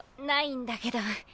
ないんだけど。